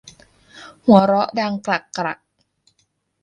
หัวเราะดังกรักกรัก